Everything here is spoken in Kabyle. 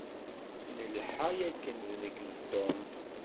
Nelḥa akken nekk d Tom.